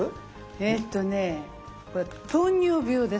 えっとねこれ糖尿病です。